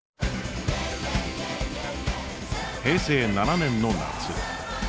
平成７年の夏。